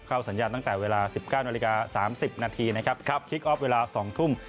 เข้าสัญญาณตั้งแต่เวลา๑๙๓๐นะครับคลิกออฟเวลา๒ทุ่ม